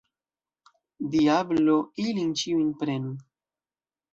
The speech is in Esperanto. Diablo ilin ĉiujn prenu!